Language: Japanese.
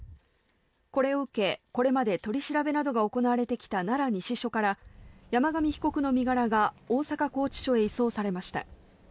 これを受け、これまで取り調べなどが行われてきた奈良西署から山上被告の身柄が大阪拘置所へ移送されました。